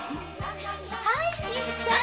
はい新さん。